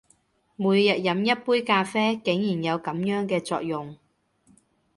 每天飲一杯咖啡，竟然有噉樣嘅作用！